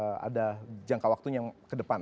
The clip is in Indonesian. masih ada jangka waktunya yang ke depan